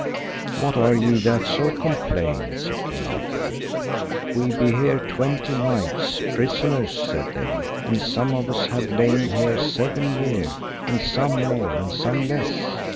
What are ye that so complain? said King Arthur. We be here twenty knights, prisoners, said they, and some of us have lain here seven year, and some more and some less.